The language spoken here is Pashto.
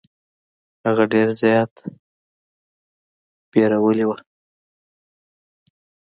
هغه ډير زيات ويرويدلې وه.